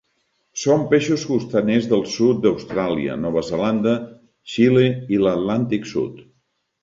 Són peixos costaners del sud d'Austràlia, Nova Zelanda, Xile i l'Atlàntic sud.